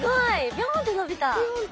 ビヨンって伸びた！